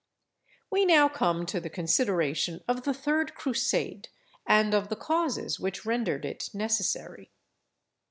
We now come to the consideration of the third Crusade, and of the causes which rendered it necessary.